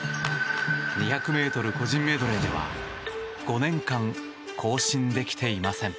２００ｍ個人メドレーでは５年間、更新できていません。